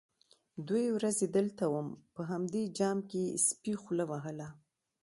_دوې ورځې دلته وم، په همدې جام کې سپي خوله وهله.